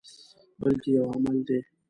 بلکې یو عمل دی.